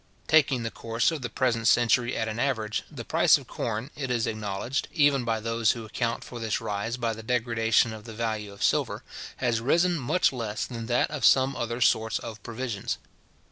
Taking the course of the present century at an average, the price of corn, it is acknowledged, even by those who account for this rise by the degradation of the value of silver, has risen much less than that of some other sorts of provisions.